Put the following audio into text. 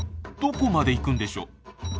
どこまで行くんでしょう？